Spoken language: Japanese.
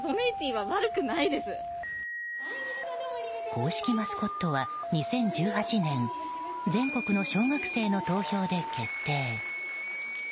公式マスコットは２０１８年全国の小学生の投票で決定。